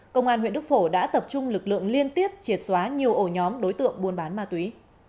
công an huyện đức phổ đã tập trung lực lượng liên tiếp triệt xóa nhiều ổ nhóm đối tượng buôn bán ma túy